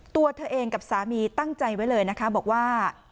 ตัวเธอเองกับสามีตั้งใจไว้เลยนะคะบอกว่า